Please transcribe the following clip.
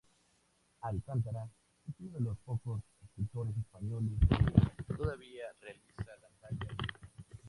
Alcántara es uno de los pocos escultores españoles que todavía realiza la talla directa.